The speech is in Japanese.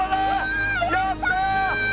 やった！